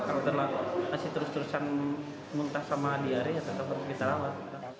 kalau masih terus terusan muntah sama diare tetap kita rawat